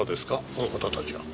この方たちは。